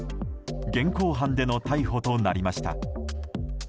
現行犯での逮捕となりました。